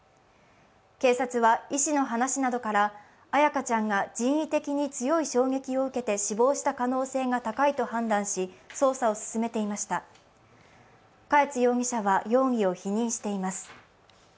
警察は医師の話などから彩花ちゃんが人為的に強い衝撃を受けて死亡した可能性が高いと判断し、捜査を進めていました、嘉悦容疑者は容疑を否認しています。